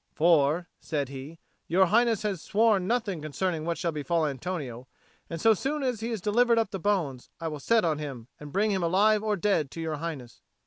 "For," said he, "your Highness has sworn nothing concerning what shall befall Antonio; and so soon as he has delivered up the bones, I will set on him and bring him alive or dead to your Highness."